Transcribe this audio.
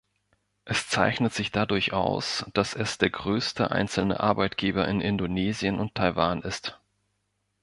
Es zeichnet sich dadurch aus, dass es der größte einzelne Arbeitgeber in Indonesien und Taiwan ist.